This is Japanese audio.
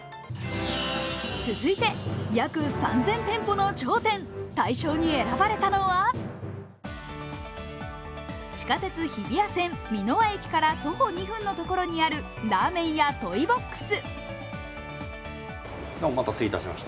続いて、約３０００店舗の頂点、大賞に選ばれたのは地下鉄日比谷線、三ノ輪駅から徒歩２分のところにあるラーメン屋トイ・ボックス。